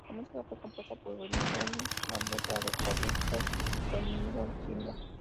La música fue compuesta por Wilfred Junge y la letra por Víctor Domingo Silva.